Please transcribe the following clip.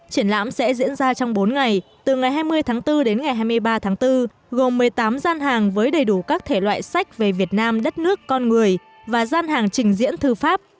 triển lãm sẽ diễn ra trong bốn ngày từ ngày hai mươi tháng bốn đến ngày hai mươi ba tháng bốn gồm một mươi tám gian hàng với đầy đủ các thể loại sách về việt nam đất nước con người và gian hàng trình diễn thư pháp